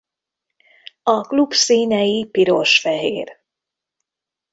A klub színei piros-fehér.